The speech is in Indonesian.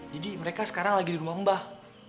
didi mereka sekarang lagi di rumah mbak